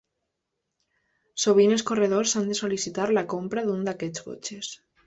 Sovint els corredors han de sol·licitar la compra d'un d'aquests cotxes.